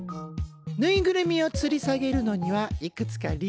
ぬいぐるみをつり下げるのにはいくつか理由があるんだ。